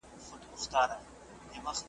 د دښمن په ګټه بولم ,